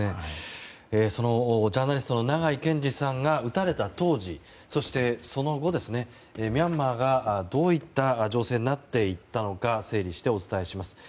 そのジャーナリストの長井健司さんが撃たれた当時、そしてその後ミャンマーがどういった情勢になっていったのか整理してお伝えします。